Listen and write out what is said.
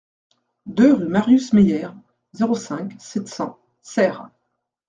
deux rue Marius Meyère, zéro cinq, sept cents Serres